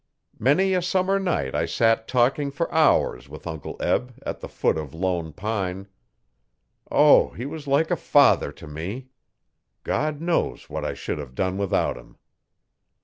Many a summer night I sat talking for hours, with Uncle Eb, at the foot of Lone Pine. O, he was like a father to me! God knows what I should have done without him.